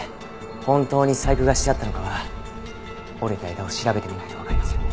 本当に細工がしてあったのかは折れた枝を調べてみないとわかりません。